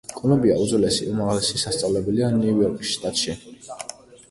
კოლუმბია უძველესი უმაღლესი სასწავლებელია ნიუ-იორკის შტატში.